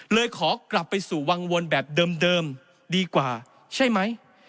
เลยขอกลับไปสู่วังวนแบบเดิมดีกว่าใช่ไหม